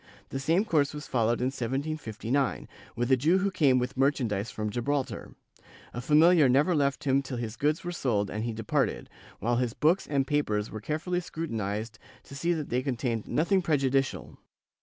The same course was followed in 1759, with a Jew who came with merchandise from Gibraltar; a familiar never left him till his goods were sold and he departed, while his books and papers were carefully scrutinized to see that they contained nothing prejudicial.